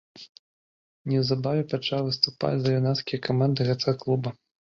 Неўзабаве пачаў выступаць за юнацкія каманды гэтага клуба.